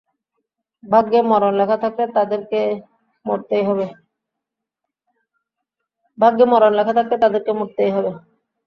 ভাগ্যে মরণ লেখা থাকলে, তাদেরকে মরতেই হবে।